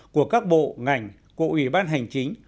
của các bộ ngành của ủy ban hành chính